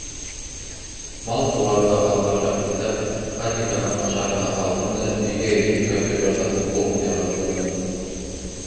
Мал-тыуарҙы аҙбарға бикләп, Хатиконың ашарына һалдым да өйгә инеп компьютерҙа футбол уйнарға тотондом.